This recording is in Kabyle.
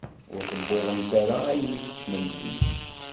Ur tewwiḍem ara ayen i tettmennim?